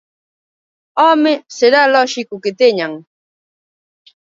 ¡Home!, será lóxico que teñan.